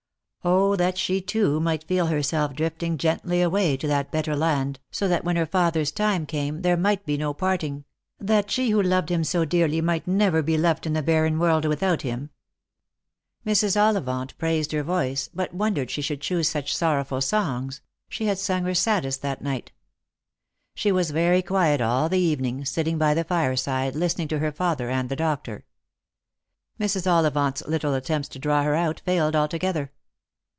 that she too might feel herself drifting gently away to that better land, so that when her father's time came there might be no parting ; that she who loved him so dearly might never be left in the barren world without him ! Mrs. Ollivant praised her voice, but wondered she should choose such sorrowful songs — she had sung her saddest that night. She was very quiet all the evening, sitting by the fire Lost for Love. 37 side listening to her father and the doctor. Mrs. Ollivant's little attempts to draw her out failed altogether.